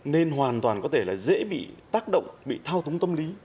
nên hoàn toàn có thể là dễ bị tác động bị thao túng tâm lý